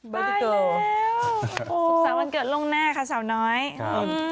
บ้ายแล้วสุขศาลวันเกิดลงแน่ค่ะเฉาน้อยครับ